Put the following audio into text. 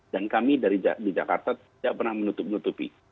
dan kami di jakarta tidak pernah menutup menutupi